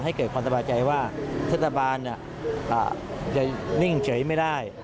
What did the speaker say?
ให้เกิดความสบายใจว่าเทศบาลจะนิ่งเฉยไม่ได้